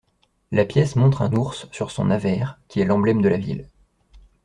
La pièce montre un ours sur son avers, qui est l'emblême de la ville.